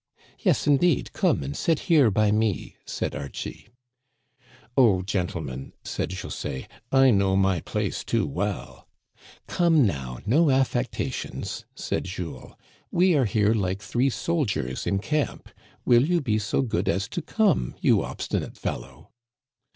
" Yes, indeed, come and sit here by me," said Archie. *' Oh, gentlemen," said José, I know my place too well—" "Come now, no affectations," said Jules. "We are here like three soldiers in camp ; will you be so good as to come, you obstinate fellow